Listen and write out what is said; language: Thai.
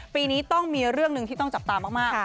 ปีนี้ต้องมีเรื่องหนึ่งที่ต้องจับตามาก